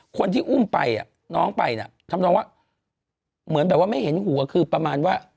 คนที่อุ้มไปน้องไปน่ะทำนองว่าเหมือนแบบว่าไม่เห็นหัวคือประมาณว่า